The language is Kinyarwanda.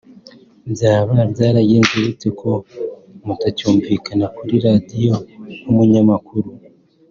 Byaba byaragenze bite ko mutacyumvikana kuri Radiyo nk’umunyamakuru